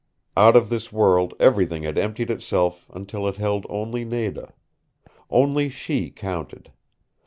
Out of this world everything had emptied itself until it held only Nada. Only she counted.